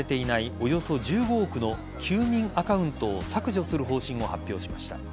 およそ１５億の休眠アカウントを削除する方針を発表しました。